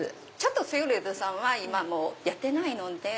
フィオレットさんは今もうやってないので。